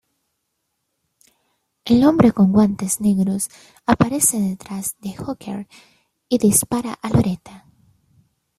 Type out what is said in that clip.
El hombre con guantes negros aparece detrás de Hooker y dispara a Loretta.